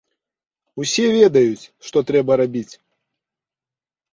Усе ведаюць, што трэба рабіць.